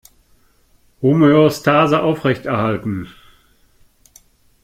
Homöostase aufrechterhalten!